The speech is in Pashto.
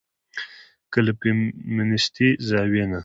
که له فيمنستي زاويې نه